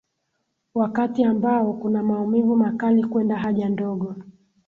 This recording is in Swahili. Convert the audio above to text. wakati ambao kuna maumivu makali kwenda haja ndogo